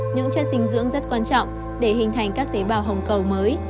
những chất dinh dưỡng rất quan trọng để hình thành các tế bào hồng cầu mới